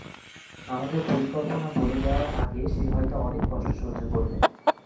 আমাদের পরিকল্পনা বলে দেওয়ার আগে সে হয়তো অনেক কষ্ট সহ্য করবে!